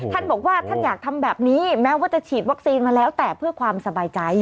ท่านบอกว่าท่านอยากทำแบบนี้แม้ว่าจะฉีดวัคซีนมาแล้วแต่เพื่อความสบายใจ